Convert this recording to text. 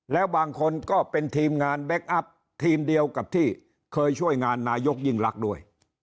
แล้วบางคนก็เป็นทีมงานแบ็คอัพทีมเดียวกับที่เคยช่วยงานนายกยิ่งรักด้วย